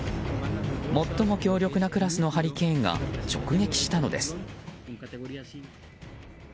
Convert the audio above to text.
最も強力なクラスのハリケーンが直撃したのです。